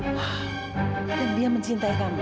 wah dan dia mencintai kamu